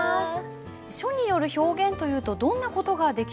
書による表現というとどんな事ができそうでしょう？